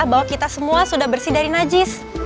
bahwa kita semua sudah bersih dari najis